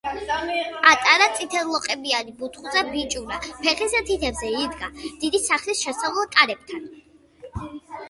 პატარა, წითელლოყებიანი, ბუთხუზა ბიჭუნა ფეხის თითებზე იდგა დიდი სახლის შესავალ კარებთან.